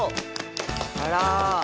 あら。